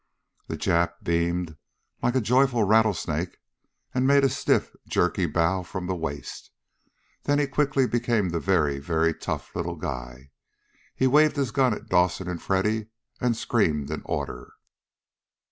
The Jap beamed like a joyful rattlesnake and made a stiff, jerky bow from the waist. Then he quickly became the very, very tough little guy. He waved his gun at Dawson and Freddy and screamed an order.